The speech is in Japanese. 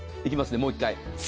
もう一回。